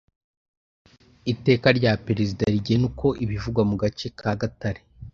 iteka rya perezida rigena uko ibivugwa mu gace kagatare